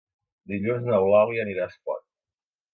Dilluns n'Eulàlia anirà a Espot.